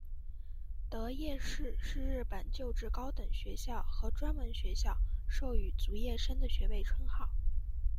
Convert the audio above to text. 得业士是日本旧制高等学校和专门学校授与卒业生的学位称号。